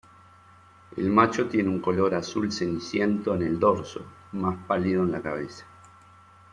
El macho tiene un color azul-ceniciento en el dorso, más pálido en la cabeza.